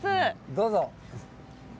どうぞ。